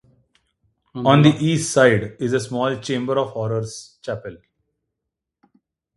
On the east side is a small 'chamber of horrors' chapel.